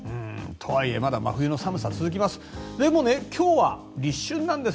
とはいえまだ真冬の寒さ続きます。